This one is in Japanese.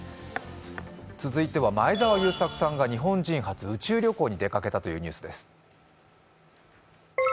続いては前澤友作さんが日本人初、宇宙旅行に出かけたというニュースです。